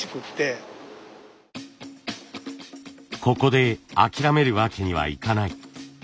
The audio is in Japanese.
ここで諦めるわけにはいかない。